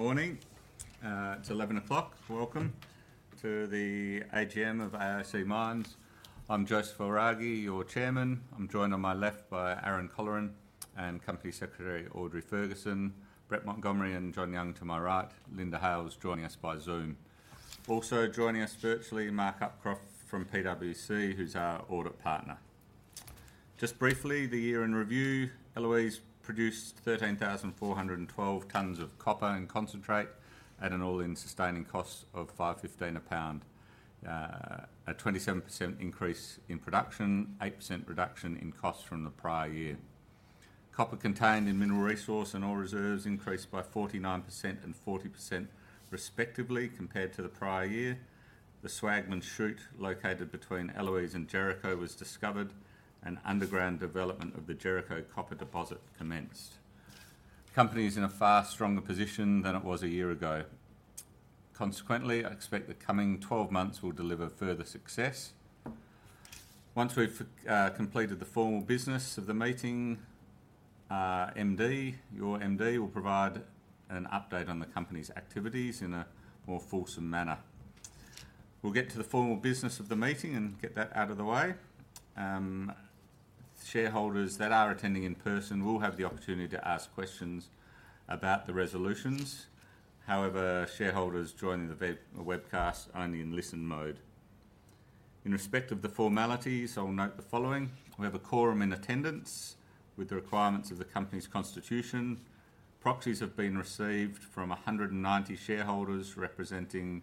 Morning. It's 11:00 A.M. Welcome to the AGM of AIC Mines. I'm Josef El-Raghy, your chairman. I'm joined on my left by Aaron Colleran and Company Secretary Audrey Ferguson. Brett Montgomery and Jon Young to my right. Linda Hale joining us by Zoom. Also joining us virtually, Mark Upcroft from PwC, who's our audit partner. Just briefly, the year in review, Eloise produced 13,412 tonnes of copper in concentrate at an all-in sustaining cost of $5.15 a pound, a 27% increase in production, 8% reduction in costs from the prior year. Copper contained in mineral resource and ore reserves increased by 49% and 40% respectively compared to the prior year. The Swagman Shoot located between Eloise and Jericho was discovered, and underground development of the Jericho copper deposit commenced. Company is in a far stronger position than it was a year ago. Consequently, I expect the coming 12 months will deliver further success. Once we've completed the formal business of the meeting, your MD will provide an update on the company's activities in a more fulsome manner. We'll get to the formal business of the meeting and get that out of the way. Shareholders that are attending in person will have the opportunity to ask questions about the resolutions. However, shareholders joining the webcast only in listen mode. In respect of the formalities, I'll note the following. We have a quorum in attendance with the requirements of the company's constitution. Proxies have been received from 190 shareholders representing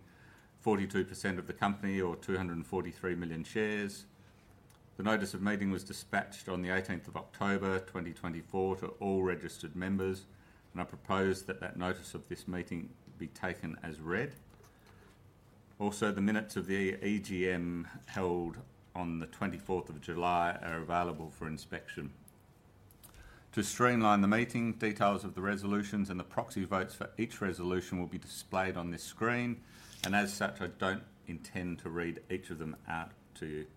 42% of the company or 243 million shares. The notice of meeting was dispatched on the 18th of October, 2024, to all registered members, and I propose that that notice of this meeting be taken as read. Also, the minutes of the EGM held on the 24th of July are available for inspection. To streamline the meeting, details of the resolutions and the proxy votes for each resolution will be displayed on this screen, and as such, I don't intend to read each of them out to you.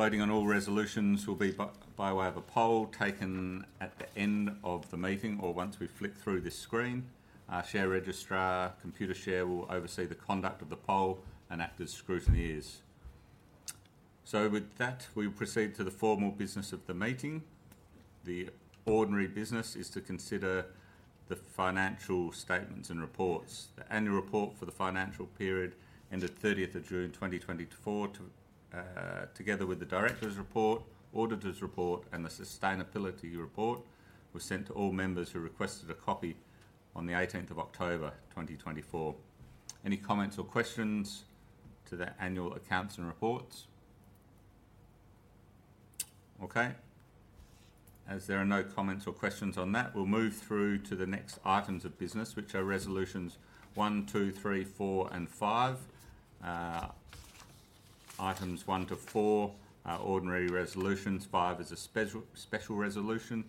Voting on all resolutions will be by way of a poll taken at the end of the meeting or once we flick through this screen. Our share registrar, Computershare, will oversee the conduct of the poll and act as scrutineers. So with that, we will proceed to the formal business of the meeting. The ordinary business is to consider the financial statements and reports. The annual report for the financial period ended 30th of June 2024, together with the director's report, auditor's report, and the sustainability report, was sent to all members who requested a copy on the 18th of October, 2024. Any comments or questions to the annual accounts and reports? Okay. As there are no comments or questions on that, we'll move through to the next items of business, which are resolutions one, two, three, four, and five. Items one to four are ordinary resolutions. Five is a special resolution.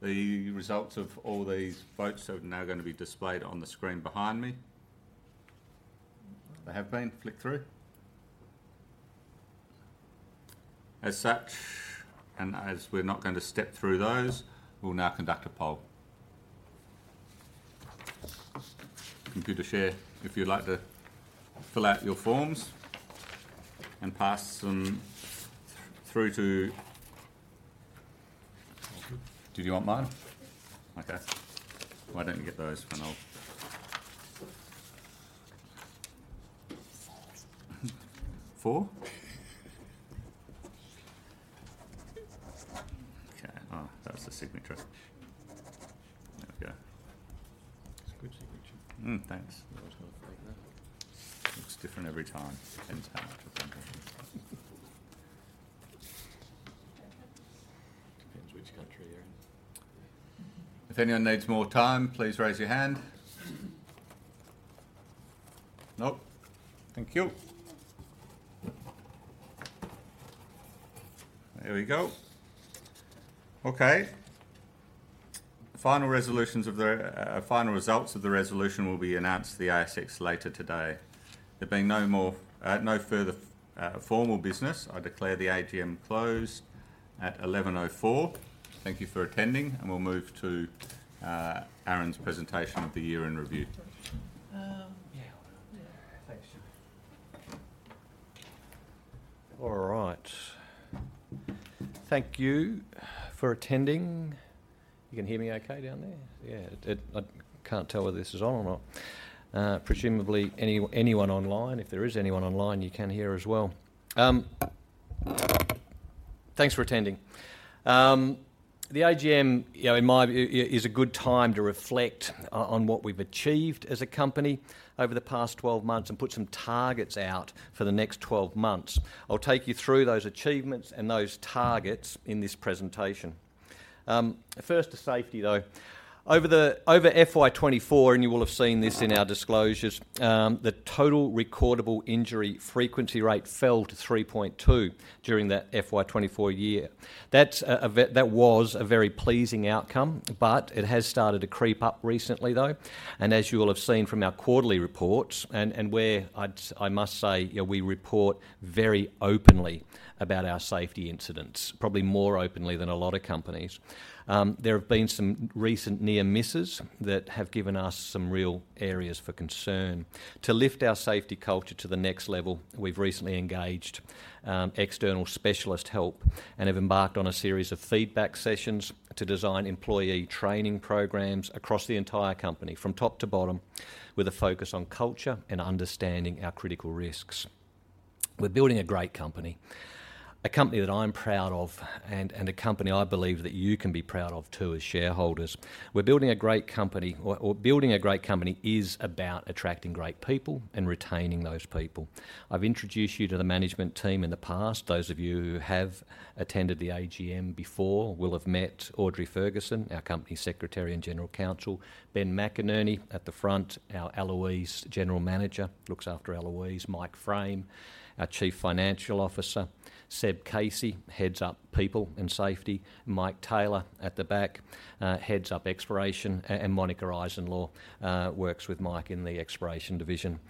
The results of all these votes are now going to be displayed on the screen behind me. They have been flicked through. As such, and as we're not going to step through those, we'll now conduct a poll. Computershare, if you'd like to fill out your forms and pass them through to. Did you want mine? Okay. Why don't you get those? Four? Okay. Oh, that's the signature. There we go. It's a good signature. Thanks. You always want to flag that. Looks different every time. Depends how much of them you're using. Depends which country you're in. If anyone needs more time, please raise your hand. Nope. Thank you. There we go. Okay. Final resolutions of the final results of the resolution will be announced to the ASX later today. There being no more further formal business, I declare the AGM closed at 11:04 A.M. Thank you for attending, and we'll move to Aaron's presentation of the year in review. Yeah. Yeah. Thanks, John. All right. Thank you for attending. You can hear me okay down there? Yeah. I can't tell whether this is on or not. Presumably, anyone online, if there is anyone online, you can hear as well. Thanks for attending. The AGM, in my view, is a good time to reflect on what we've achieved as a company over the past 12 months and put some targets out for the next 12 months. I'll take you through those achievements and those targets in this presentation. First, the safety, though. Over FY 2024, and you will have seen this in our disclosures, the total recordable injury frequency rate fell to 3.2 during that FY 2024 year. That was a very pleasing outcome, but it has started to creep up recently, though. As you will have seen from our quarterly reports, and where I must say, we report very openly about our safety incidents, probably more openly than a lot of companies. There have been some recent near misses that have given us some real areas for concern. To lift our safety culture to the next level, we've recently engaged external specialist help and have embarked on a series of feedback sessions to design employee training programs across the entire company from top to bottom with a focus on culture and understanding our critical risks. We're building a great company. A company that I'm proud of and a company I believe that you can be proud of too as shareholders. We're building a great company. Building a great company is about attracting great people and retaining those people. I've introduced you to the management team in the past. Those of you who have attended the AGM before will have met Audrey Ferguson, our Company Secretary and General Counsel, Ben McEnerney at the front, our Eloise General Manager looks after Eloise, Mike Frame, our Chief Financial Officer, Seb Casey, heads up people and safety, Mike Taylor at the back, heads up exploration, and Monika Eisenlohr works with Mike in the exploration division.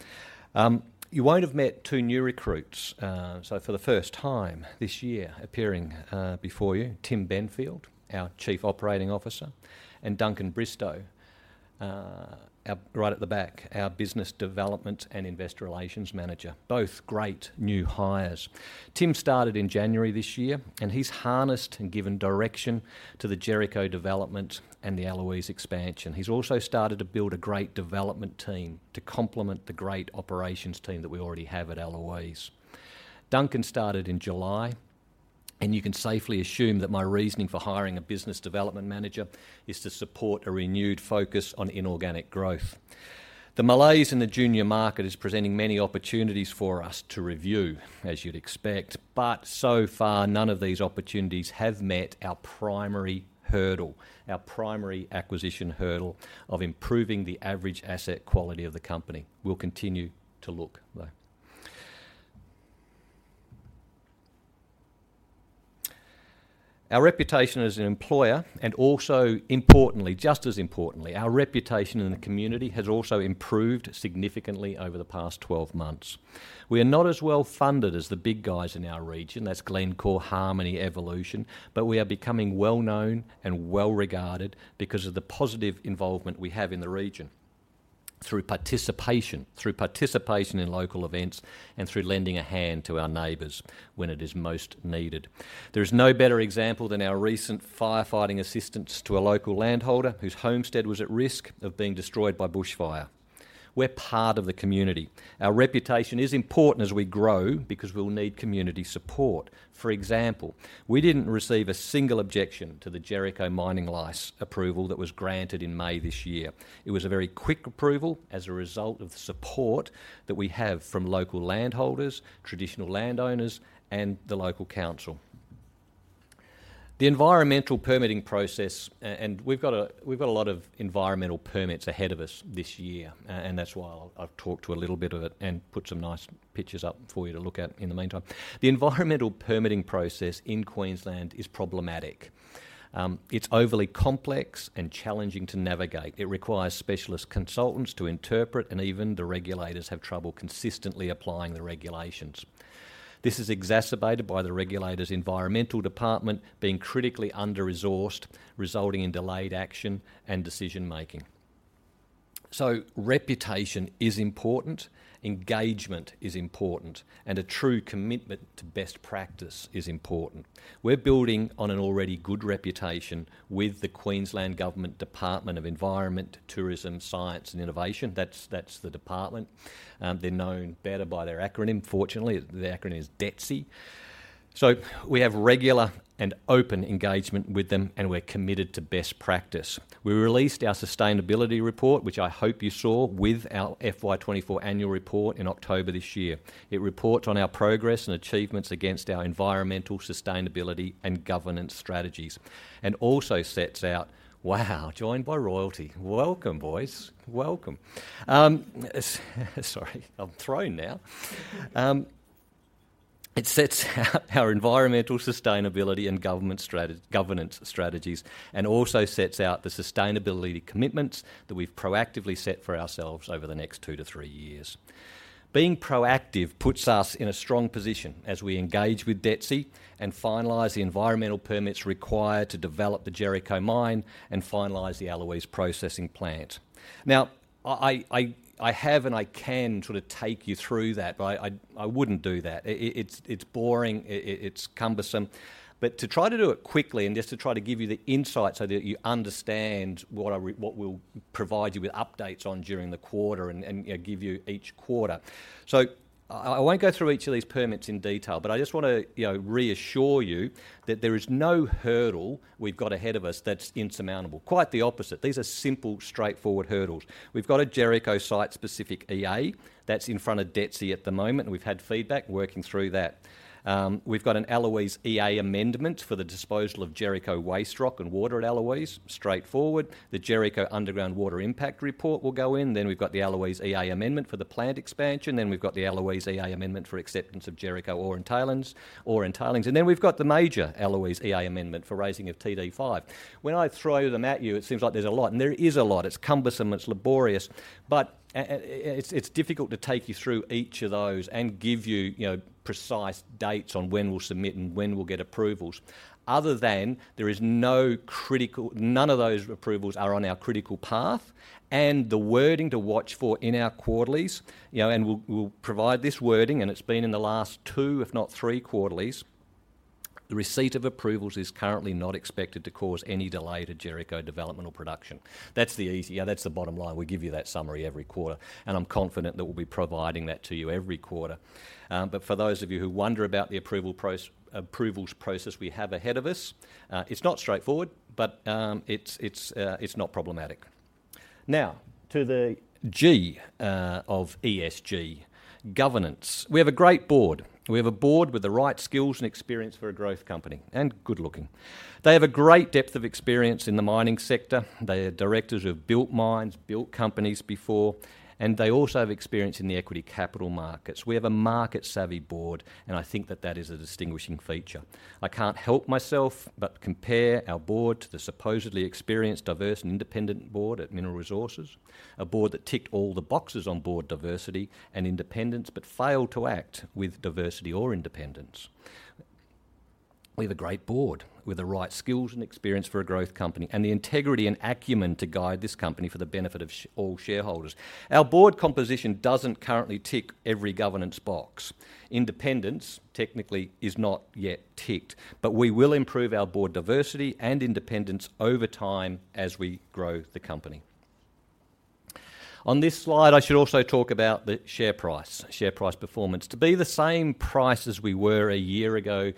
You won't have met two new recruits. So for the first time this year appearing before you, Tim Benfield, our Chief Operating Officer, and Duncan Bristow, right at the back, our Business Development and Investor Relations Manager. Both great new hires. Tim started in January this year, and he's harnessed and given direction to the Jericho development and the Eloise expansion. He's also started to build a great development team to complement the great operations team that we already have at Eloise. Duncan started in July, and you can safely assume that my reasoning for hiring a Business Development Manager is to support a renewed focus on inorganic growth. The M&A and the junior market is presenting many opportunities for us to review, as you'd expect, but so far none of these opportunities have met our primary hurdle, our primary acquisition hurdle of improving the average asset quality of the company. We'll continue to look, though. Our reputation as an employer and also, importantly, just as importantly, our reputation in the community has also improved significantly over the past 12 months. We are not as well funded as the big guys in our region. That's Glencore, Harmony, Evolution, but we are becoming well known and well regarded because of the positive involvement we have in the region through participation, through participation in local events, and through lending a hand to our neighbors when it is most needed. There is no better example than our recent firefighting assistance to a local landholder whose homestead was at risk of being destroyed by bushfire. We're part of the community. Our reputation is important as we grow because we'll need community support. For example, we didn't receive a single objection to the Jericho Mining Lease approval that was granted in May this year. It was a very quick approval as a result of the support that we have from local landholders, traditional landowners, and the local council. The environmental permitting process, and we've got a lot of environmental permits ahead of us this year, and that's why I've talked to a little bit of it and put some nice pictures up for you to look at in the meantime. The environmental permitting process in Queensland is problematic. It's overly complex and challenging to navigate. It requires specialist consultants to interpret, and even the regulators have trouble consistently applying the regulations. This is exacerbated by the regulator's environmental department being critically under-resourced, resulting in delayed action and decision-making. So reputation is important, engagement is important, and a true commitment to best practice is important. We're building on an already good reputation with the Queensland Government Department of Environment, Tourism, Science, and Innovation. That's the department. They're known better by their acronym, fortunately. The acronym is DETSI. So we have regular and open engagement with them, and we're committed to best practice. We released our sustainability report, which I hope you saw, with our FY 2024 annual report in October this year. It reports on our progress and achievements against our environmental sustainability and governance strategies and also sets out, wow, joined by royalty. Welcome, boys. Welcome. Sorry, I'm thrown now. It sets out our environmental sustainability and governance strategies and also sets out the sustainability commitments that we've proactively set for ourselves over the next two to three years. Being proactive puts us in a strong position as we engage with DETSI and finalize the environmental permits required to develop the Jericho mine and finalize the Eloise processing plant. Now, I have and I can sort of take you through that, but I wouldn't do that. It's boring. It's cumbersome. But to try to do it quickly and just to try to give you the insight so that you understand what we'll provide you with updates on during the quarter and give you each quarter. So I won't go through each of these permits in detail, but I just want to reassure you that there is no hurdle we've got ahead of us that's insurmountable. Quite the opposite. These are simple, straightforward hurdles. We've got a Jericho site-specific EA that's in front of DETSI at the moment, and we've had feedback working through that. We've got an Eloise EA amendment for the disposal of Jericho waste rock and water at Eloise. Straightforward. The Jericho underground water impact report will go in. Then we've got the Eloise EA amendment for the plant expansion. Then we've got the Eloise EA amendment for acceptance of Jericho ore and tailings. And then we've got the major Eloise EA amendment for raising of TD5. When I throw them at you, it seems like there's a lot, and there is a lot. It's cumbersome. It's laborious. But it's difficult to take you through each of those and give you precise dates on when we'll submit and when we'll get approvals. Other than there is no critical. None of those approvals are on our critical path. And the wording to watch for in our quarterlies, and we'll provide this wording, and it's been in the last two, if not three quarterlies, the receipt of approvals is currently not expected to cause any delay to Jericho developmental production. That's the easy, yeah, that's the bottom line. We give you that summary every quarter, and I'm confident that we'll be providing that to you every quarter. But for those of you who wonder about the approvals process we have ahead of us, it's not straightforward, but it's not problematic. Now, to the G of ESG, governance. We have a great board. We have a board with the right skills and experience for a growth company and good-looking. They have a great depth of experience in the mining sector. They are directors who have built mines, built companies before, and they also have experience in the equity capital markets. We have a market-savvy board, and I think that that is a distinguishing feature. I can't help myself but compare our board to the supposedly experienced, diverse, and independent board at Mineral Resources, a board that ticked all the boxes on board diversity and independence but failed to act with diversity or independence. We have a great board with the right skills and experience for a growth company and the integrity and acumen to guide this company for the benefit of all shareholders. Our board composition doesn't currently tick every governance box. Independence, technically, is not yet ticked, but we will improve our board diversity and independence over time as we grow the company. On this slide, I should also talk about the share price, share price performance. To be the same price as we were a year ago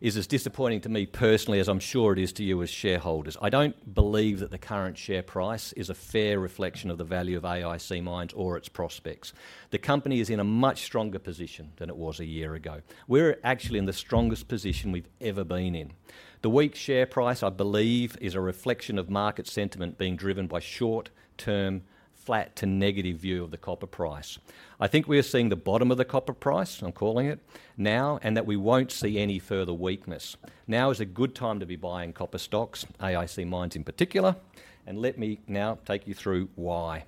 is as disappointing to me personally as I'm sure it is to you as shareholders. I don't believe that the current share price is a fair reflection of the value of AIC Mines or its prospects. The company is in a much stronger position than it was a year ago. We're actually in the strongest position we've ever been in. The weak share price, I believe, is a reflection of market sentiment being driven by short-term, flat to negative view of the copper price. I think we are seeing the bottom of the copper price. I'm calling it now, and that we won't see any further weakness. Now is a good time to be buying copper stocks, AIC Mines in particular, and let me now take you through why.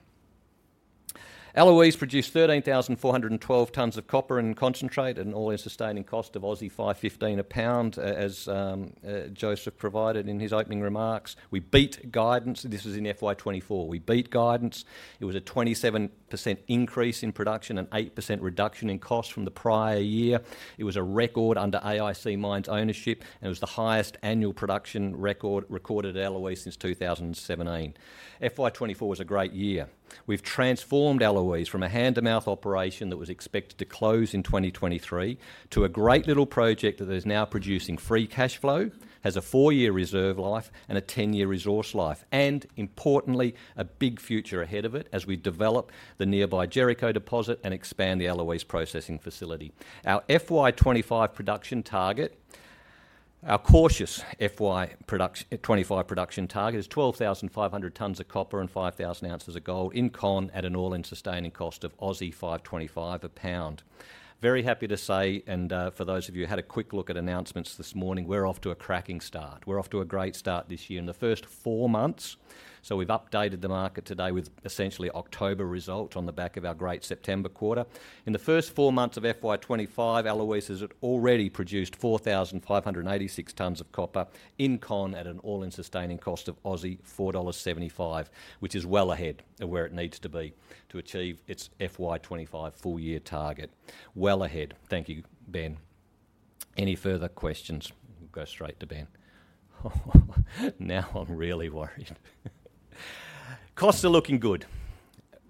Eloise produced 13,412 tonnes of copper concentrate at an all-in sustaining cost of 5.15 a pound, as Josef provided in his opening remarks. We beat guidance. This is in FY 2024. We beat guidance. It was a 27% increase in production and 8% reduction in cost from the prior year. It was a record under AIC Mines ownership, and it was the highest annual production record recorded at Eloise since 2017. FY 2024 was a great year. We've transformed Eloise from a hand-to-mouth operation that was expected to close in 2023 to a great little project that is now producing free cash flow, has a four-year reserve life, and a 10-year resource life, and importantly, a big future ahead of it as we develop the nearby Jericho deposit and expand the Eloise processing facility. Our FY 2025 production target, our cautious FY 2025 production target, is 12,500 tonnes of copper and 5,000 ounces of gold in con at an all-in sustaining cost of 5.25 a pound. Very happy to say, and for those of you who had a quick look at announcements this morning, we're off to a cracking start. We're off to a great start this year in the first four months. So we've updated the market today with essentially October results on the back of our great September quarter. In the first four months of FY 2025, Eloise has already produced 4,586 tonnes of copper in con at an all-in sustaining cost of 4.75 Aussie dollars, which is well ahead of where it needs to be to achieve its FY 2025 full-year target. Well ahead. Thank you, Ben. Any further questions? We'll go straight to Ben. Now I'm really worried. Costs are looking good.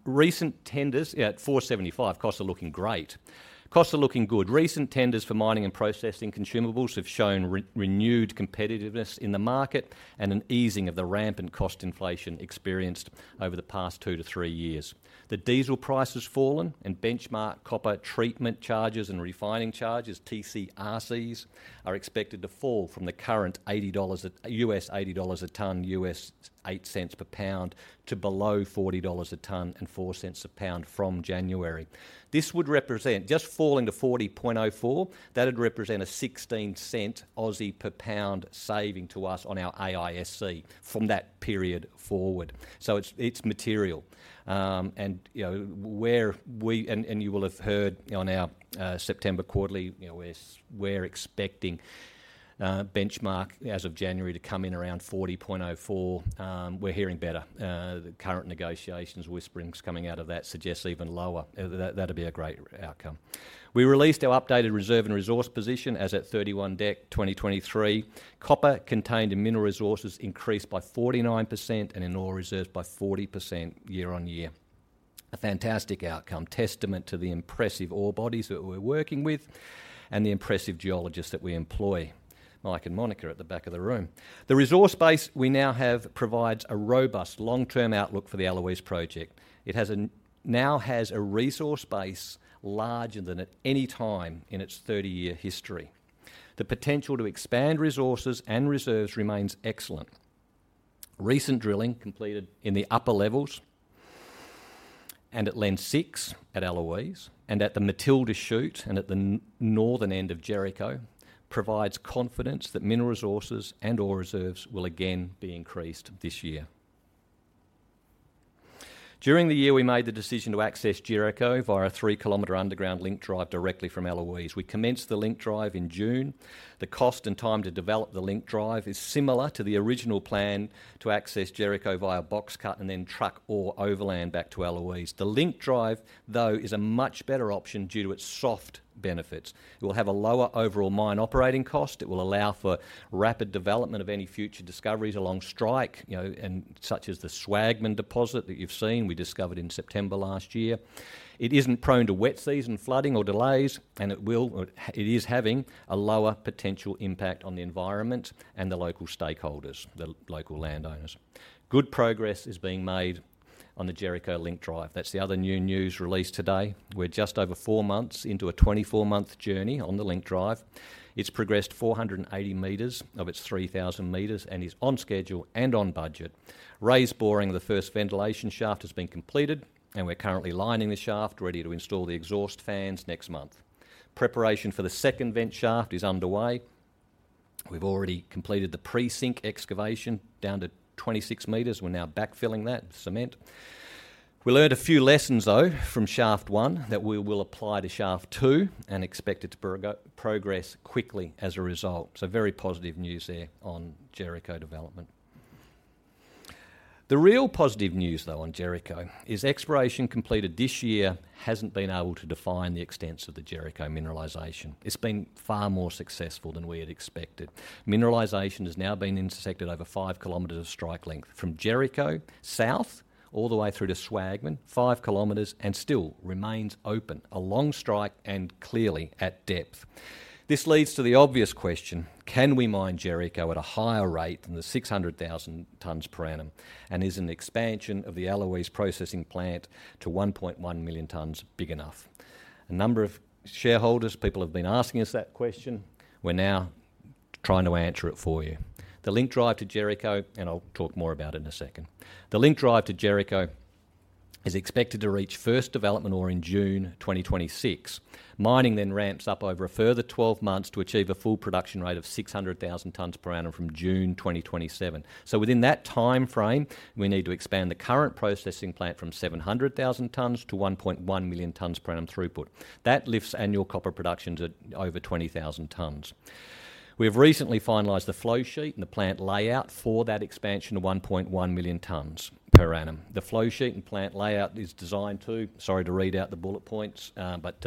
Recent tenders at $4.75, costs are looking great. Costs are looking good. Recent tenders for mining and processing consumables have shown renewed competitiveness in the market and an easing of the rampant cost inflation experienced over the past two to three years. The diesel price has fallen, and benchmark copper treatment charges and refining charges, TCRCs, are expected to fall from the current $80 a tonne, $0.08 per pound, to below $40 a tonne and $0.04 a pound from January. This would represent just falling to 40.04, that would represent a 0.16 per pound saving to us on our AISC from that period forward. So it's material. And you know where we—and you will have heard on our September quarterly—we're expecting benchmark as of January to come in around 40.04. We're hearing better. The current negotiations, whisperings coming out of that suggest even lower. That'll be a great outcome. We released our updated reserve and resource position as at 31 December 2023. Copper contained in mineral resources increased by 49% and in ore reserves by 40% year-on-year. A fantastic outcome, testament to the impressive ore bodies that we're working with and the impressive geologists that we employ. Mike and Monika at the back of the room. The resource base we now have provides a robust long-term outlook for the Eloise project. It now has a resource base larger than at any time in its 30-year history. The potential to expand resources and reserves remains excellent. Recent drilling completed in the upper levels and at Lens 6 at Eloise and at the Matilda Shoot and at the northern end of Jericho provides confidence that mineral resources and ore reserves will again be increased this year. During the year, we made the decision to access Jericho via a three-kilometer underground link drive directly from Eloise. We commenced the link drive in June. The cost and time to develop the link drive is similar to the original plan to access Jericho via boxcut and then truck ore overland back to Eloise. The link drive, though, is a much better option due to its soft benefits. It will have a lower overall mine operating cost. It will allow for rapid development of any future discoveries along strike, such as the Swagman deposit that you've seen we discovered in September last year. It isn't prone to wet season, flooding, or delays, and it is having a lower potential impact on the environment and the local stakeholders, the local landowners. Good progress is being made on the Jericho link drive. That's the other new news released today. We're just over four months into a 24-month journey on the link drive. It's progressed 480 m of its 3,000 m and is on schedule and on budget. Raise boring of the first ventilation shaft has been completed, and we're currently lining the shaft ready to install the exhaust fans next month. Preparation for the second vent shaft is underway. We've already completed the portal excavation down to 26 m. We're now backfilling that with cement. We learned a few lessons, though, from shaft one that we will apply to shaft two and expect it to progress quickly as a result. So very positive news there on Jericho development. The real positive news, though, on Jericho is exploration completed this year hasn't been able to define the extents of the Jericho mineralization. It's been far more successful than we had expected. Mineralization has now been intersected over 5 km of strike length from Jericho south all the way through to Swagman, five kilometers, and still remains open along strike and clearly at depth. This leads to the obvious question: can we mine Jericho at a higher rate than the 600,000 tonnes per annum? And is an expansion of the Eloise processing plant to 1.1 million tonnes big enough? A number of shareholders, people have been asking us that question. We're now trying to answer it for you. The link drive to Jericho, and I'll talk more about it in a second. The link drive to Jericho is expected to reach first development ore in June 2026. Mining then ramps up over a further 12 months to achieve a full production rate of 600,000 tonnes per annum from June 2027. So within that timeframe, we need to expand the current processing plant from 700,000 tonnes to 1.1 million tonnes per annum throughput. That lifts annual copper productions at over 20,000 tonnes. We have recently finalized the flowsheet and the plant layout for that expansion to 1.1 million tonnes per annum. The flowsheet and plant layout is designed to, sorry to read out the bullet points, but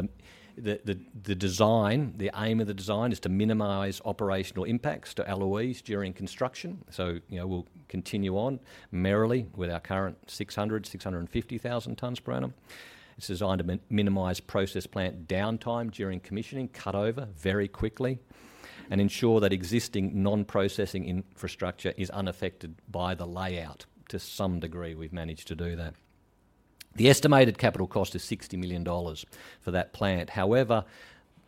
the design, the aim of the design is to minimize operational impacts to Eloise during construction. We'll continue on merrily with our current 600,000 tonnes-650,000 tonnes per annum. It's designed to minimize process plant downtime during commissioning, cut over very quickly, and ensure that existing non-processing infrastructure is unaffected by the layout. To some degree, we've managed to do that. The estimated capital cost is 60 million dollars for that plant. However,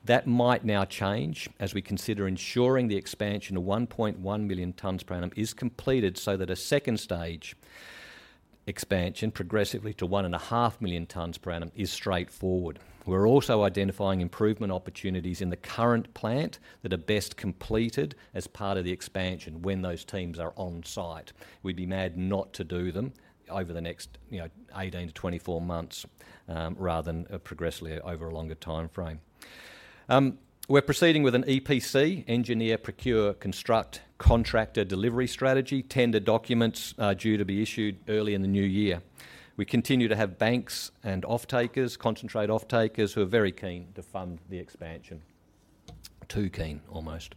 that might now change as we consider ensuring the expansion of 1.1 million tonnes per annum is completed so that a second stage expansion progressively to 1.5 million tonnes per annum is straightforward. We're also identifying improvement opportunities in the current plant that are best completed as part of the expansion when those teams are on site. We'd be mad not to do them over the next 18-24 months rather than progressively over a longer timeframe. We're proceeding with an EPC, engineer, procure, construct, contractor delivery strategy. Tender documents are due to be issued early in the new year. We continue to have banks and off-takers, concentrate off-takers who are very keen to fund the expansion. Too keen, almost.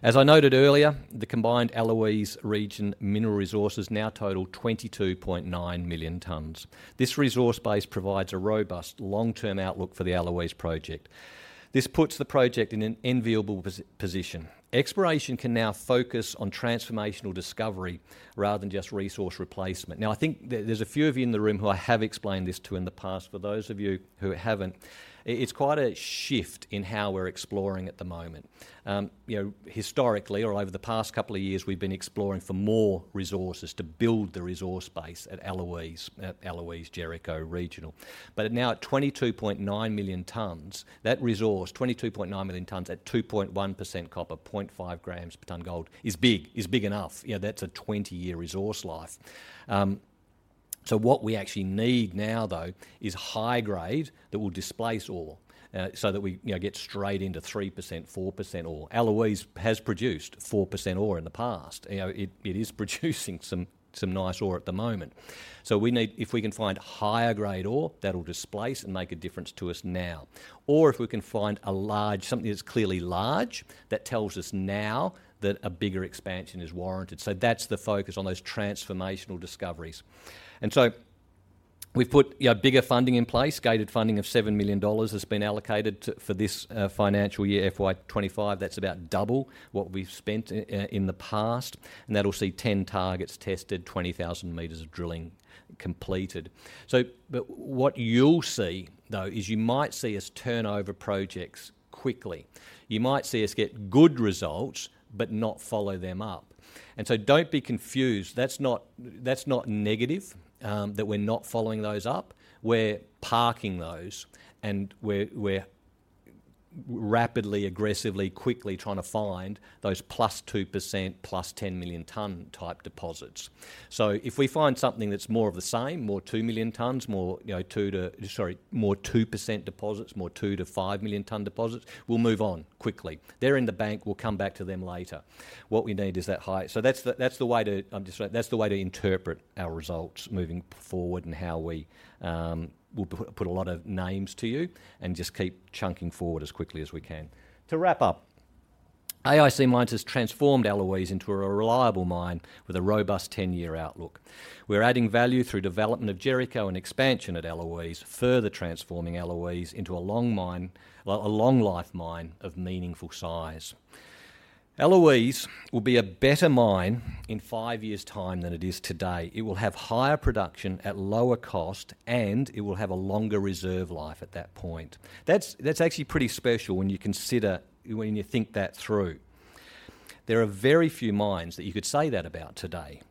As I noted earlier, the combined Eloise region mineral resources now total 22.9 million tonnes. This resource base provides a robust long-term outlook for the Eloise project. This puts the project in an enviable position. Exploration can now focus on transformational discovery rather than just resource replacement. Now, I think there's a few of you in the room who I have explained this to in the past. For those of you who haven't, it's quite a shift in how we're exploring at the moment. Historically, or over the past couple of years, we've been exploring for more resources to build the resource base at Eloise, Eloise Jericho regional. But now at 22.9 million tonnes, that resource, 22.9 million tonnes at 2.1% copper, 0.5 grams per tonne gold, is big, is big enough. That's a 20-year resource life. So what we actually need now, though, is high grade that will displace ore so that we get straight into 3%, 4% ore. Eloise has produced 4% ore in the past. It is producing some nice ore at the moment. So we need, if we can find higher grade ore, that'll displace and make a difference to us now. Or if we can find a large, something that's clearly large, that tells us now that a bigger expansion is warranted. So that's the focus on those transformational discoveries. And so we've put bigger funding in place. Gated funding of 7 million dollars has been allocated for this financial year, FY 2025. That's about double what we've spent in the past. That'll see 10 targets tested, 20,000 meters of drilling completed. What you'll see, though, is you might see us turn over projects quickly. You might see us get good results, but not follow them up. Don't be confused. That's not negative that we're not following those up. We're parking those, and we're rapidly, aggressively, quickly trying to find those +2%, +10 million tonne type deposits. If we find something that's more of the same, more 2 million tonnes, more 2 million tonnes to 5 million tonne deposits, we'll move on quickly. They're in the bank. We'll come back to them later. What we need is that high. So that's the way to. I'm just saying, that's the way to interpret our results moving forward and how we will put a lot of names to you and just keep chunking forward as quickly as we can. To wrap up, AIC Mines has transformed Eloise into a reliable mine with a robust 10-year outlook. We're adding value through development of Jericho and expansion at Eloise, further transforming Eloise into a long-life mine of meaningful size. Eloise will be a better mine in five years' time than it is today. It will have higher production at lower cost, and it will have a longer reserve life at that point. That's actually pretty special when you consider, when you think that through. There are very few mines that you could say that about today.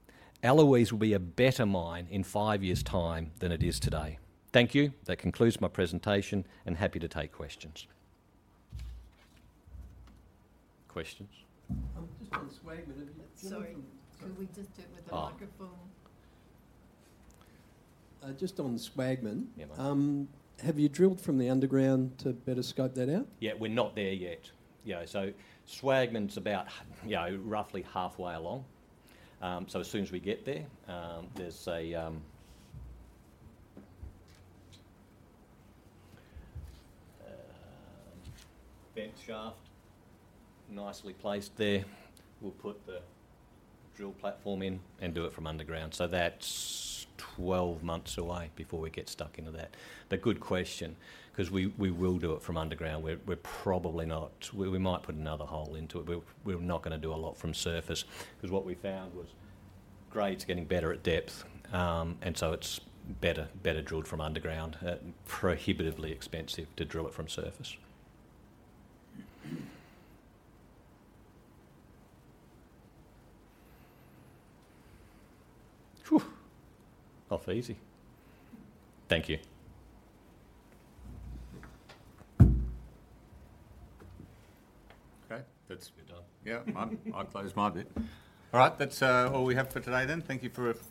Eloise will be a better mine in five years' time than it is today. Thank you. That concludes my presentation, and happy to take questions. Questions? Just on Swagman. Could we just do it with the microphone? Just on Swagman. Have you drilled from the underground to better scope that out? Yeah, we're not there yet. So Swagman's about roughly halfway along. So as soon as we get there, there's a vent shaft nicely placed there. We'll put the drill platform in and do it from underground. So that's 12 months away before we get stuck into that. But good question, because we will do it from underground. We're probably not, we might put another hole into it. We're not going to do a lot from surface because what we found was grade's getting better at depth, and so it's better drilled from underground. Prohibitively expensive to drill it from surface. Off easy. Thank you. Okay, that's good. Yeah, I'll close my bit. All right, that's all we have for today then. Thank you for.